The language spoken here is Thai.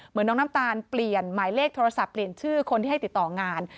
น้องน้ำตาลเปลี่ยนหมายเลขโทรศัพท์เปลี่ยนชื่อคนที่ให้ติดต่องาน